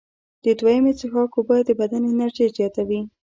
د دویمې څښاک اوبه د بدن انرژي زیاتوي.